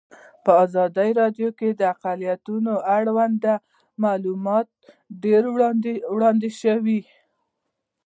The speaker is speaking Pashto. په ازادي راډیو کې د اقلیتونه اړوند معلومات ډېر وړاندې شوي.